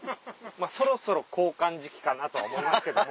そろそろ交換時期かなとは思いますけども。